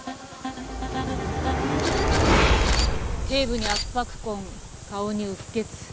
頸部に圧迫痕顔に鬱血。